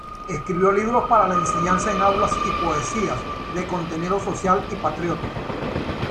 Escribió libros para la enseñanza en aulas y poesías de contenido social y patriótico.